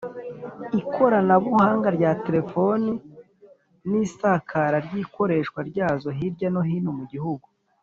ikoranabuhanga rya terefoni n’isakara ry’ikoreshwa ryazo hirya no hino mu gihugu